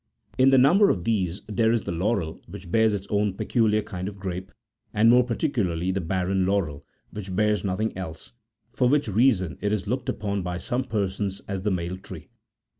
In the number of these there is the laurel, which bears its own peculiar kind of grape, and more parti cularly the barren laurel,44 which bears nothing else ; for which reason it is looked upon by some persons as the male tree.